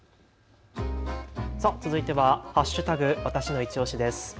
続いては＃わたしのいちオシです。